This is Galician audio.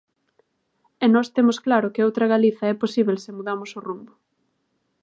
E nós temos claro que outra Galiza é posíbel se mudamos o rumbo.